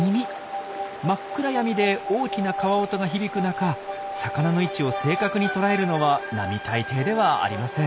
真っ暗闇で大きな川音が響く中魚の位置を正確に捉えるのは並大抵ではありません。